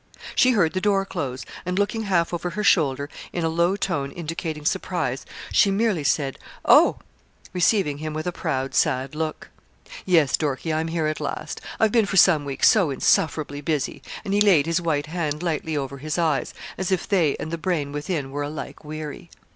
She heard the door close, and looking half over her shoulder, in a low tone indicating surprise, she merely said: 'Oh!' receiving him with a proud sad look. 'Yes, Dorkie, I'm here at last. I've been for some weeks so insufferably busy,' and he laid his white hand lightly over his eyes, as if they and the brain within were alike weary.